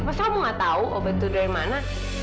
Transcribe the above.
masa kamu nggak tahu obat itu dari mana